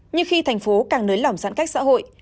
nhưng khi thành phố càng nới lỏng giãn cách xã hội